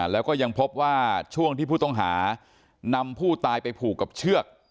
แล้วก็ยังพบว่าช่วงที่ผู้ต้องหานำผู้ตายไปผูกกับเชือก